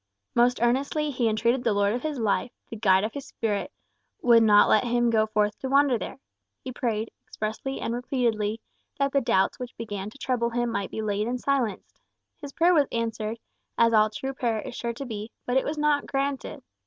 Most earnestly he entreated that the Lord of his life, the Guide of his spirit, would not let him go forth to wander there. He prayed, expressly and repeatedly, that the doubts which began to trouble him might be laid and silenced. His prayer was answered, as all true prayer is sure to be, but it was not granted.